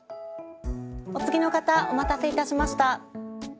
お次の方お待たせいたしました。